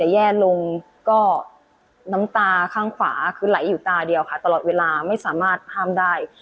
แย่ลงก็น้ำตาข้างขวาคือไหลอยู่ตาเดียวค่ะตลอดเวลาไม่สามารถห้ามได้